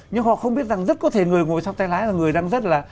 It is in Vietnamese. nhưng họ không biết rằng rất có thể người ngồi sau tay lái là người đang rất là